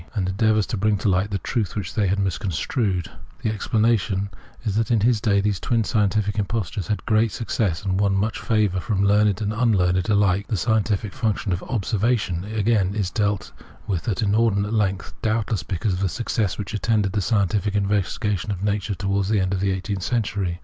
and endeavours to bring to light the truth which they had misconstrued, f The explanation is that in his day these twin scientific impostures had great success, and won much favour from learned and un learned alike. The scientific function of " Observation/' again, is dealt with at an inordinate length, doubtless because of the success which attended the scientific investigation of nature towards the end of the eigh teenth century.